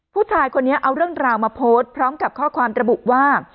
ผู้ชายคนนี้เอาเรื่องราวมาโพสต์พร้อมกับข้อความระบุว่า